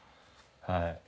はい。